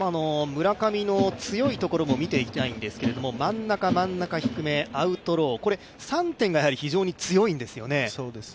村上の強いところも見ていきたいんですけど、真ん中、真ん中、低め、アウトロー、３点が非常に強いんですよね。